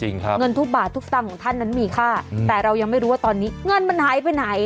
เงินทุกบาททุกสตางค์ของท่านนั้นมีค่าแต่เรายังไม่รู้ว่าตอนนี้เงินมันหายไปไหน